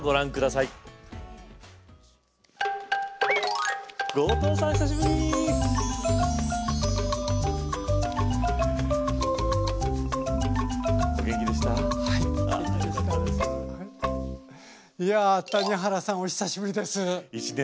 いや谷原さんお久しぶりです。